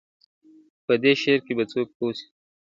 په دې شعر به څوک پوه سي ,